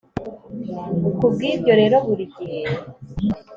Ku bw ibyo rero buri gihe